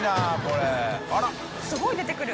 △蕕叩すごい出てくる。